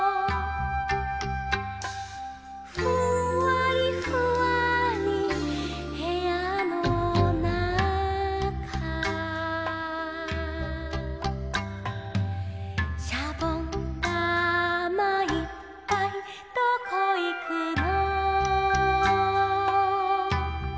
「ふんわりふわーりまどのそと」「しゃぼんだまいっぱいどこいくの」